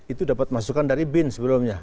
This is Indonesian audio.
itu dapat masukan dari bin sebelumnya